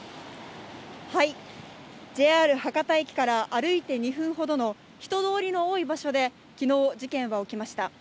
ＪＲ博多駅から歩いて２分ほどの人通りの多い場所で昨日、事件は起きました。